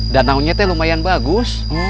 danau nyete lumayan bagus